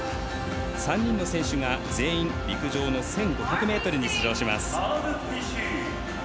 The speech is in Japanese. ３人の選手が全員陸上１５００ｍに出場します。